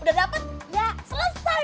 udah dapet ya selesai